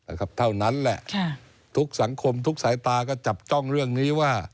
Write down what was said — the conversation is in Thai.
นะครับเท่านั้นแหละค่ะทุกสังคมทุกสายตาก็จับจ้องเรื่องนี้ว่า